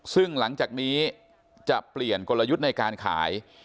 ซึ่งหลังจากนี้จะเปลี่ยนกลยุทธ์ในการขาย